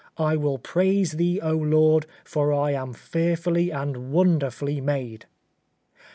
"I will praise Thee, O Lord, for I am fearfully and wonderfully made.")